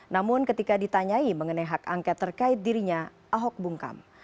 namun ketika ditanyai mengenai hak angket terkait dirinya ahok bungkam